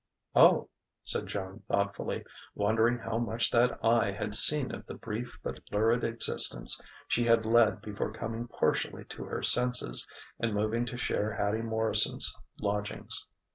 "Oh!" said Joan thoughtfully, wondering how much that eye had seen of the brief but lurid existence she had led before coming partially to her senses and moving to share Hattie Morrison's lodgings.